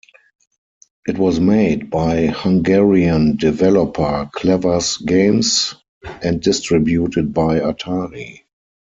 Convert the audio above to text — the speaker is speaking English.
It was made by Hungarian developer Clever's Games and distributed by Atari.